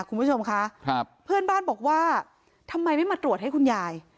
คุณผู้ชมคะครับเพื่อนบ้านบอกว่าทำไมไม่มาตรวจให้คุณยาย